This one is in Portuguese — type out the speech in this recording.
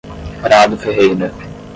Prado Ferreira